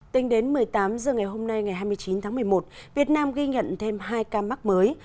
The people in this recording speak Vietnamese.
tính đến một mươi tám h ngày hôm nay ngày hai mươi chín tháng một mươi một việt nam ghi nhận thêm hai ca mắc mới